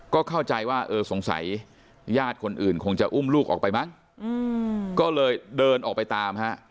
ก็เข้าใจว่าเออสงสัยญาติคนอื่นคงจะอุ้มลูกออกไปมั้งก็เลยเดินออกไปตามฮะ